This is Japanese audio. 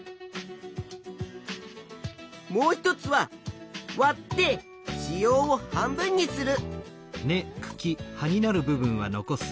もう一つはわって子葉を半分にする。